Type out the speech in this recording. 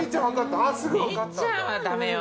みっちゃんはダメよ